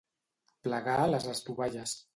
Plegar les estovalles.